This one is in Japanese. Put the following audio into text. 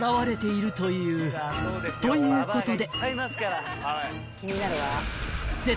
ということで］